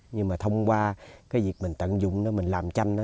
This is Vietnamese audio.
nhưng mà thông qua cái việc mình tận dụng nó mình làm tranh nó